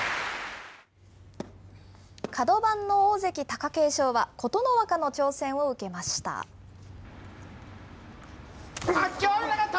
角番の大関・貴景勝は、琴ノ若の挑戦を受けました。